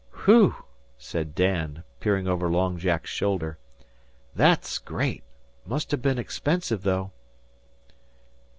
"Whew!" said Dan, peering over Long Jack's shoulder. "That's great! Must ha' bin expensive, though."